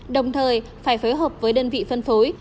đồng thời phải phối hợp với đơn vị phân phối